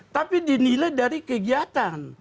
tapi dinilai dari kegiatan